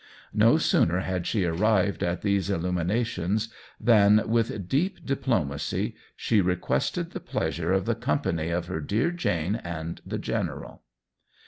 No sooner had she arrived at these illuminations than, with deep diplo macy, she requested the pleasure of the company of her dear Jane and the General.